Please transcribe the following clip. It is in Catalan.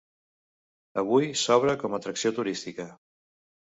Avui, s'obre com a atracció turística.